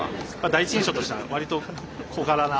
第一印象としてはわりと小柄な。